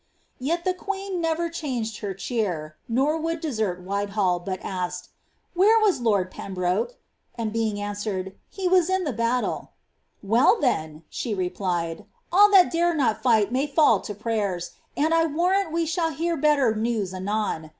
Yet the queen never changed her cheer, nor would desert Whitehall, but asked, •* Where was lord Pembroke ?" and being answered, He was in the bftttle," ^ Well, then," she replied, ^^ all that dare not fight may fall to prayers, and I warrant we shall hear better news anon.